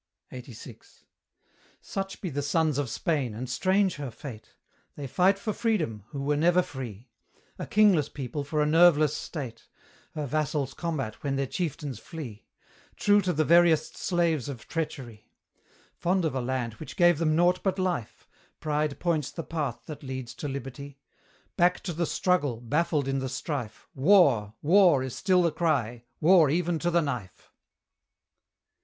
LXXXVI. Such be the sons of Spain, and strange her fate! They fight for freedom, who were never free; A kingless people for a nerveless state, Her vassals combat when their chieftains flee, True to the veriest slaves of Treachery; Fond of a land which gave them nought but life, Pride points the path that leads to liberty; Back to the struggle, baffled in the strife, War, war is still the cry, 'War even to the knife!'